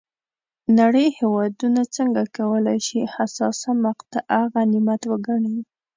نړۍ هېوادونه څنګه کولای شي حساسه مقطعه غنیمت وګڼي.